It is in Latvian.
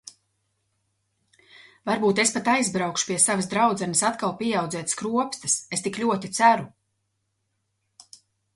Varbūt es pat aizbraukšu pie savas draudzenes atkal pieaudzēt skropstas... Es tik ļoti ceru!